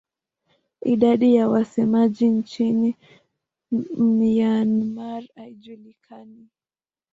Idadi ya wasemaji nchini Myanmar haijulikani.